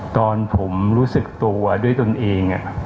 ตอนผมรู้สึกตัวด้วยตนเอง